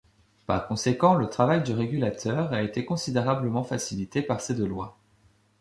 Par conséquent, le travail du régulateur a été considérablement facilité par ces deux lois.